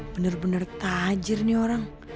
bener bener tajir nih orang